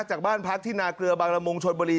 จากบ้านพักที่นาเกลือบางละมุงชนบุรี